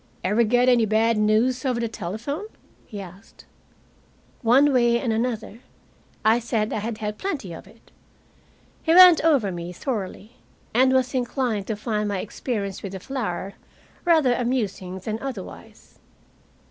"Ever get any bad news over the telephone?" he asked. One way and another, I said I had had plenty of it. He went over me thoroughly, and was inclined to find my experience with the flour rather amusing than otherwise.